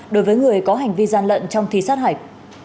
đối với người có hành vi gian lận trong thi sát hạch